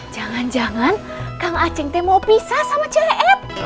jangan jangan kang aceng temo pisah sama cewek